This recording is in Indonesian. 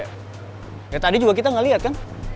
ya tadi juga kita gak liat kan